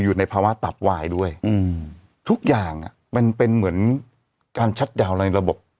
อยู่ในภาวะตับวายด้วยอืมทุกอย่างมันเป็นเหมือนการชัดดาวในระบบ